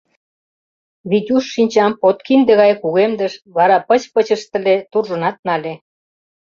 Витюш шинчам лодки де гай кугемдыш, вара пыч-пыч ыштыле, туржынат нале.